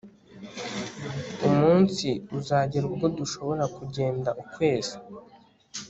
Umunsi uzagera ubwo dushobora kugenda ukwezi